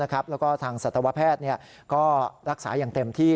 แล้วก็ทางสัตวแพทย์ก็รักษาอย่างเต็มที่